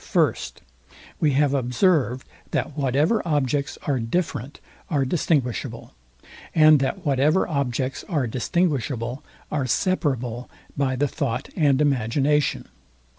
First, We have observed, that whatever objects are different are distinguishable, and that whatever objects are distinguishable are separable by the thought and imagination.